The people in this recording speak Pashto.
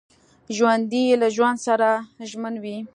ژوندي له ژوند سره ژمن وي